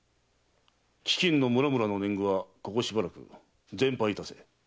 飢饉の村々の年貢はここしばらく全廃いたせ。